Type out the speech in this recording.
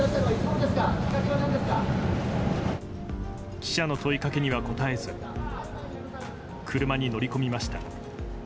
記者の問いかけには答えず車に乗り込みました。